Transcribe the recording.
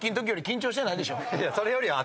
いやそれよりは。